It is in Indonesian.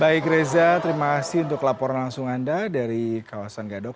baik reza terima kasih untuk laporan langsung anda dari kawasan gadok